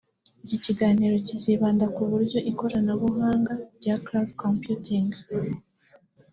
Iki kiganiro kizibanda ku buryo ikoranabuhanga rya Cloud Computing